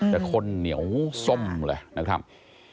แต่คนเหนียวส้มเลยนะครับ